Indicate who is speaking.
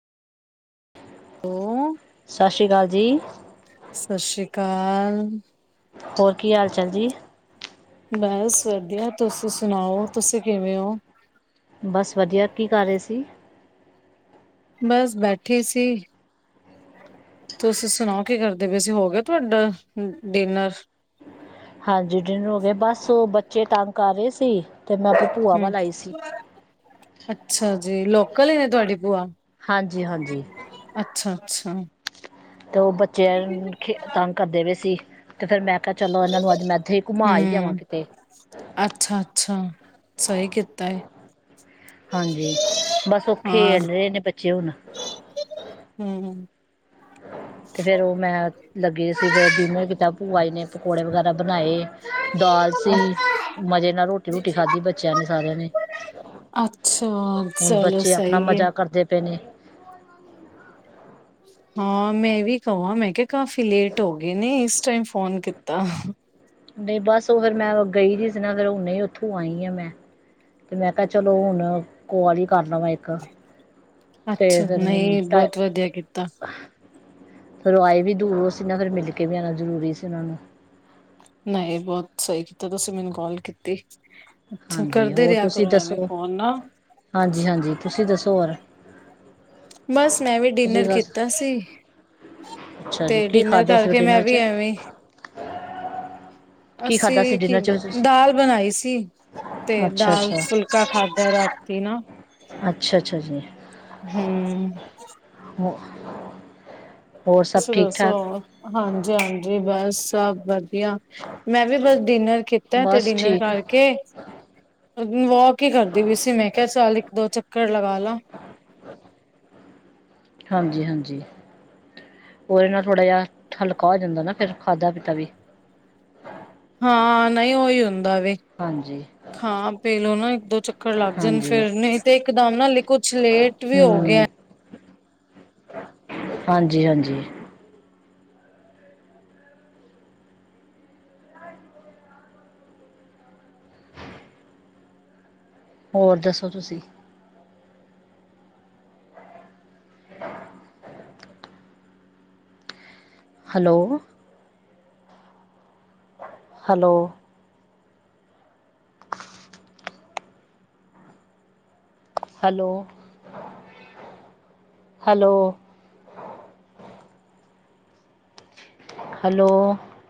Speaker 1: ਸਤਿ ਸ੍ਰੀ ਅਕਾਲ। ਜੀ।
Speaker 2: ਸਸ ਰੀ ਕਾਲ।
Speaker 1: ਹੋਰ ਕੀ ਹਾਲ ਚਾਲ ਜੀ।
Speaker 2: ਬਸ ਵਧੀਆ, ਤੁਸੀਂ ਸੁਣਾਓ ਤੁਸੀਂ ਕਿਵੇਂ ਹੋ?
Speaker 1: ਬਸ ਵਧੀਆ ਕੀ ਕਰ ਰਹੇ ਸੀ?
Speaker 2: ਬਸ ਬੈਠੀ ਸੀ। ਤੁਸੀ ਸੁਣਾਓ ਕੀ ਕਰਦੇ ਪਏ ਸੀਂ ਹੋ ਗਿਆ ਤੁਹਾਡਾ ਡਿਨਰ?
Speaker 1: ਹਾਂਜੀ ਡਿਨਰ ਹੋ ਗਿਆ ਬਸ ਉਹ ਬੱਚੇ ਤਾ ਕਰ ਰਹੇ ਸੀ। ਤੇ ਮੈਂ ਆਪਣੀ ਭੂਆ
Speaker 2: ਹਮ
Speaker 1: ਵੱਲ ਆਈ ਸੀ
Speaker 2: ਅੱਛਾ ਜੀ ਲੋ ਕਲੀ ਨੇ ਤੁਹਾਡੀ ਭੂਆ।
Speaker 1: ਹਾਂਜੀ-ਹਾਂਜੀ
Speaker 2: ਅੱਛਾ-ਅੱਛਾ।
Speaker 1: ਤੇ ਉਹ ਬੱਚੇੇ ਤੰਗ ਕਰਦੇ ਪਏ ਸੀ। ਤੇ ਫਿਰ ਮੈਂ ਕਿਹਾ ਚਲੋ ਇਹਨਾਂ ਨੂੰ ਅੱਜ ਮੈਂ ਇੱਥੇ ਹੀ ਘੁੰਮਾ ਹੀ ਲਿਆਵਾਂ
Speaker 2: ਹੂੰ,
Speaker 1: ਕਿਤੇ।
Speaker 2: ਅੱਛਾ-ਅੱਛਾ, ਸਹੀ ਕੀਤਾ ਏ,
Speaker 1: ਹਾਂਜੀ ਬਸ ਉਹ
Speaker 2: ਹਾਂ,
Speaker 1: ਖੇਲ ਰਹੇ ਨੇ ਬੱਚੇ ਹੁਣ।
Speaker 2: ਹੂੰ।
Speaker 1: ਤੇ ਫਿਰ ਉਹ ਮੈਂ ਲੱਗੇ ਸੀ ਡਿਨਰ ਕੀਤਾ ਭੂਆ ਨੇ ਪਕੌੜੇ ਵਗੈਰਾ ਬਣਾਏ, ਦਾਲ ਸੀ ਮਜੇ ਨਾਲ ਰੋਟੀ-ਰੂਟੀ ਖਾਧੀ ਬੱਚਿਆਂ ਨੇ ਸਾਰਿਆਂ ਨੇ
Speaker 2: ਅੱਛਾ,
Speaker 1: ਹੁਣ
Speaker 2: ਚਲੋ
Speaker 1: ਬੱਚੇ ਆਪਣਾ
Speaker 2: ਸਹੀ ਏ।
Speaker 1: ਮਜ਼ਾ ਕਰਦੇ ਪਏ ਨੇ।
Speaker 2: ਹਾਂ ਮੈਂ ਵੀ ਕਵਾ ਮੈਂ ਕਿਹਾ ਕਾਫੀ ਲੇਟ ਹੋ ਗਏ ਨੇ ਇਸ ਟਾਈਮ ਫੋਨ ਕੀਤਾ।
Speaker 1: ਨਹੀਂ ਬਸ ਉਹ ਫਿਰ ਮੈਂ ਗਈ ਰ ਸੀ ਨਾ ਫਿਰ ਹੁਨ ਉੱਥੋਂ ਆਈ ਆ ਮੈਂ ਤੇ ਮੈਂ ਕਿਹਾ ਚਲੋ ਹੁਣ ਕਾਲ ਹੀ ਕਰ ਲਵਾਂ ਇੱਕ ਤੇ ਫਿਰ ਰ ਮੈਨੂੰ ਟਾ
Speaker 2: ਤਾ।
Speaker 1: ਫੇਰ ਉਹ ਆਏ ਵੀ ਦੂਰੋ ਸੀ ਨਾ ਫਿਰ ਮਿਲ ਕੇ ਵੀ ਆਉਨਾ ਜ਼ਰੂਰੀ ਸੀ ਉਹਨਾ ਨੂੰ।
Speaker 2: ਨਹੀਂ ਬਹੁਤ ਸਹੀ ਕੀਤਾ ਤੁਸੀਂ ਮੈਨੂੰ ਕਾਲ ਕੀਤੀ। ਅੱਛਾ
Speaker 1: ਹਾਂਜੀ
Speaker 2: ਕਰਦੇ
Speaker 1: ਹੋਰ
Speaker 2: ਰਿਹਾ
Speaker 1: ਤੁਸੀਂ
Speaker 2: ਕਰੋ ਐਵੇਂ
Speaker 1: ਦੱਸੋ
Speaker 2: ਫੋਨ ਨਾ
Speaker 1: ਹਾਂਜੀ-ਹਾਂਜੀ ਤੁਸੀਂ ਦੱਸੋ ਹੋਰ।
Speaker 2: ਬਸ ਮੈਂ ਵੀ
Speaker 1: ਤੁਸੀਂ
Speaker 2: ਡਿਨਰ
Speaker 1: ਬਸ
Speaker 2: ਕੀਤਾ ਸੀ।
Speaker 1: ਅੱਛਾ ਜੀ
Speaker 2: ਤੇ
Speaker 1: ਕੀ
Speaker 2: ਡਿਨਰ
Speaker 1: ਖਾਧਾ ਸੀ
Speaker 2: ਕਰਕੇ ਮੈਂ
Speaker 1: ਡਿਨਰ
Speaker 2: ਵੀ
Speaker 1: ਚ
Speaker 2: ਐਵੇਂ
Speaker 1: ਕੀ ਖਾਧਾ ਸੀ
Speaker 2: ਅਸੀਂ ਕੀ
Speaker 1: ਡਿਨਰ ਚ ਤੁਸੀਂ
Speaker 2: ਦਾਲ ਬਣਾਈ ਸੀ ਤੇ
Speaker 1: ਅੱਛਾ
Speaker 2: ਦਾਲ
Speaker 1: ਅੱਛਾ
Speaker 2: ਫੁਲਕਾ ਖਾਧਾ ਰਾਤੀ ਨਾ।
Speaker 1: ਅੱਛਾ-ਅੱਛਾ ਜੀ।
Speaker 2: ਹਮ
Speaker 1: ਹੋ ਹੋਰ ਸਭ
Speaker 2: ਤੁਸੀਂ
Speaker 1: ਠੀਕ
Speaker 2: ਦੱਸੋ
Speaker 1: ਠਾਕ
Speaker 2: ਹਾਂਜੀ-ਹਾਂਜੀ। ਬਸ ਸਭ ਵਧ ਧੀਆ ਮੈਂ ਵੀ ਬਸ ਡਿਨਰ ਕੀਤਾ ਤੇ
Speaker 1: ਬਸ
Speaker 2: ਡਿਨਰ
Speaker 1: ਠੀਕ
Speaker 2: ਕਰਕੇ ਵੋਕ ਹੀ ਕਰਦੀ ਪੀ ਸੀ ਮੈਂ ਕਿਹਾ ਚੱਲ ਇੱਕ ਦੋ ਚੱਕ ਕਰ ਲਗਾ ਲਾ।
Speaker 1: ਹਾਂਜੀ-ਹਾਂਜੀ ਉਹਦੇ ਨਾਲ ਥੋੜ੍ਹਾ ਜਹਾ ਹਲਕਾ ਹੋ ਜਾਂਦਾ ਨਾ ਫਿਰ ਖਾਧਾ ਪੀਤਾ ਵੀ।
Speaker 2: ਹਾਂ ਨਹੀਂ ਉਹੀ ਹੁੰ ਦਾ ਵੇ
Speaker 1: ਹਾਂਜੀ
Speaker 2: ਖਾਂ ਪੀਲੋ ਨਾ ਇੱਕ ਦੋ ਚੱਕਰ ਲੱਗ ਜਾਣ
Speaker 1: ਹਾਂਜੀ
Speaker 2: ਫਿਰ ਨਹੀਂ ਤੇ ਇਕਦਮ ਨਾ ਹੇ ਕੁਛ ਲੇਟ ਵੀ ਹੋ
Speaker 1: ਹੂੰ
Speaker 2: ਗਿਆ।
Speaker 1: [unintelligible] ਹੋਰ ਦੱਸੋ ਤੁਸੀਂ hello hello hello hello hello